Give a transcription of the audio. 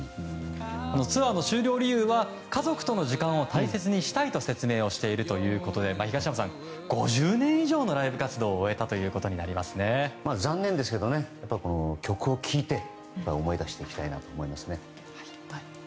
ツアーの終了理由は家族との時間を大切にしたいと説明しているということで東山さん、５０年以上のライブ活動を残念ですけど曲を聴いて思い出していきたいなと思いますね。